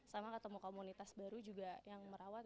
sama ketemu komunitas baru juga yang merawat